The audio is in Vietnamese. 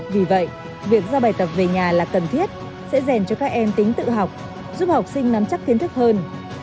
vì vậy việc giao bài tập về nhà là cần thiết sẽ rèn cho các em tính tự học giúp học sinh nắm chắc kiến thức hơn